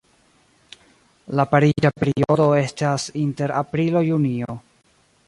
La pariĝa periodo estas inter aprilo-junio.